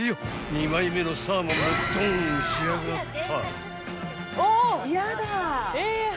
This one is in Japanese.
［２枚目のサーモンもドーンしやがった］